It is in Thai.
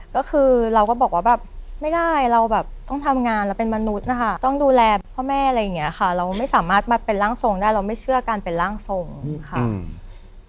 ก็คือเราก็บอกว่าแบบไม่ได้เราแบบต้องทำงานเราเป็นมนุษย์นะคะต้องดูแลพ่อแม่อะไรอย่างเงี้ยค่ะเราไม่สามารถมาเป็นร่างทรงได้เราไม่เชื่อการเป็นร่างทรงค่ะอืม